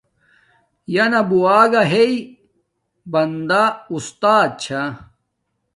یانا بووگا ہݵ بندا اُستات چھا